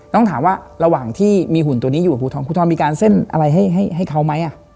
ต้องถามว่าระหว่างที่มีหุ่นตัวนี้อยู่กับภูทองภูทรมีการเส้นอะไรให้เขาไหม